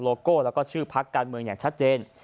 โก้แล้วก็ชื่อพักการเมืองอย่างชัดเจน